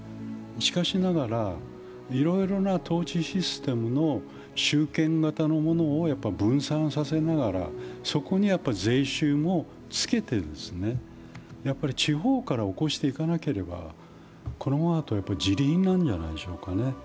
しかしながらいろいろな統治システムの集権型のものを分散させながら、そこに税収もつけて地方から興していかなければこのままだとじり貧じゃないでしょうかね。